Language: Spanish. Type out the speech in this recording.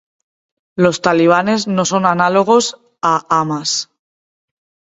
Los talibanes no son análogos a Hamas.